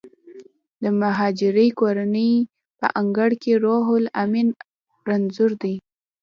د مهاجرې کورنۍ په انګړ کې روح لامین رنځور دی